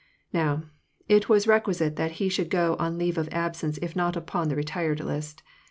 Now, it was requisite that he should go on leave of absence if not upon the retired list.